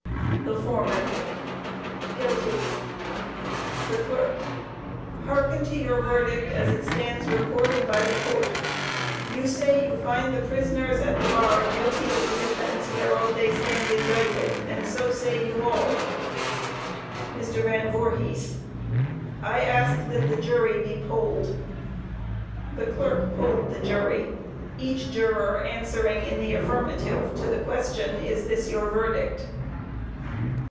THE FOREMAN: Guilty. THE CLERK: Hearken to your verdict as it stands recorded by the Court. You say you find the prisoners at the bar guilty of the offense whereof they stand indicted, and so say you all. MR. VAN VOORHIS: I ask that the jury be polled. The clerk polled the jury, each juror answering in the affirmative to the question, "Is this your verdict?"